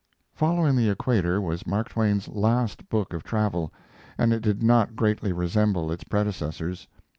Following the Equator was Mark Twain's last book of travel, and it did not greatly resemble its predecessors.